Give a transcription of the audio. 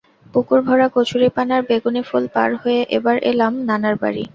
পুকুর ভরা কচুরিপানার বেগুনি ফুল পার হয়ে এবার এলাম নানার বাড়ি।